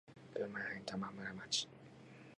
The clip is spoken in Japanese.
群馬県玉村町